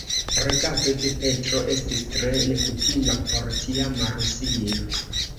Regado de Petro estis tre nekutima por tiama Rusio.